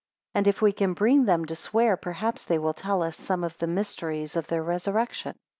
And if we can bring them to swear, perhaps they will tell us some of the mysteries of their resurrection.